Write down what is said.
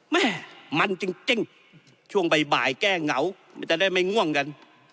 แม่มันจริงช่วงบ่ายแก้เหงาจะได้ไม่ง่วงกัน